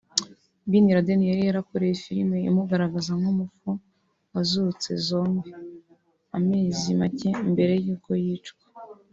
Ben Laden yari yarakorewe filimi imugaragaza nk’umupfu wazutse (Zombie) amezi make mbere y’uko yicwa